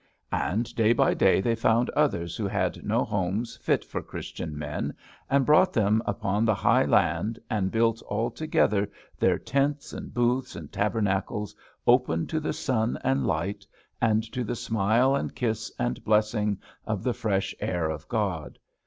And day by day they found others who had no homes fit for Christian men, and brought them upon the high land and built all together their tents and booths and tabernacles, open to the sun and light, and to the smile and kiss and blessing of the fresh air of God.